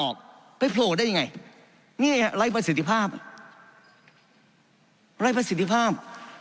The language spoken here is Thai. ไปโผล่ได้ยังไงนี่ไงไร้ประสิทธิภาพไร้ประสิทธิภาพ